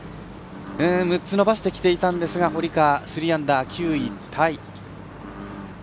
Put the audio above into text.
６つ伸ばしてきていたんですが堀川、３アンダー９位タイ。